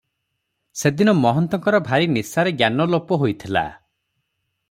ସେଦିନ ମହନ୍ତଙ୍କର ଭାରି ନିଶାରେ ଜ୍ଞାନ ଲୋପ ହୋଇଥିଲା ।